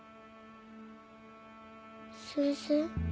先生。